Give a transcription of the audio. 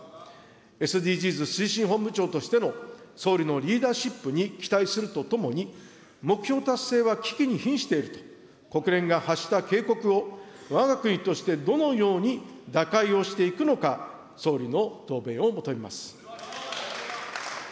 ＳＤＧｓ推進本部長としての総理のリーダーシップに期待するとともに、目標達成は危機に瀕していると、国連が発した警告をわが国としてどのように打開をしていくのか、総理の答弁を求めます。